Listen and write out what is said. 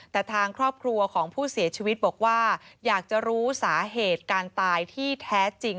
แต่ทางครอบครัวของผู้เสียชีวิตบอกว่าอยากจะรู้สาเหตุการตายที่แท้จริง